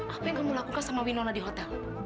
apa yang kamu lakukan sama winona di hotel